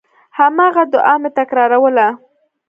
هماغه دعا مې تکراروله.